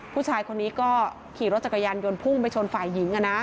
ผู้ชายคนนี้ก็ขี่รถจักรยานยนต์พุ่งไปชนฝ่ายหญิง